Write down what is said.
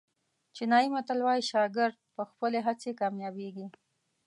چینایي متل وایي شاګرد په خپلې هڅې کامیابېږي.